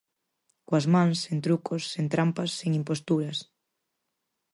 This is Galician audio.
Coas mans, sen trucos, sen trampas, sen imposturas.